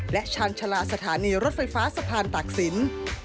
และชาญชาลาสถานีรถไฟฟ้าสะพานตากศิลป์